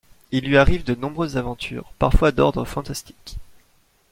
Il lui arrive de nombreuses aventures, parfois d'ordre fantastique.